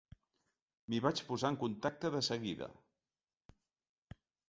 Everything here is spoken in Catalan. M'hi vaig posar en contacte de seguida.